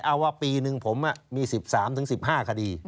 เอาว่าปีหนึ่งผมมี๑๓๑๕คดี